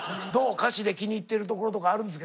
歌詞で気に入ってるところとかあるんですか？